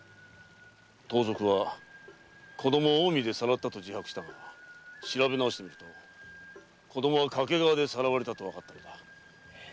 盗賊は子供を近江でさらったと自白したが調べ直してみると子供は掛川でさらわれたとわかったのだ。